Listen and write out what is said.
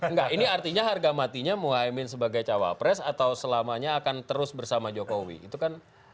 enggak ini artinya harga matinya muhaimin sebagai cawapres atau selamanya akan terus bersama jokowi itu kan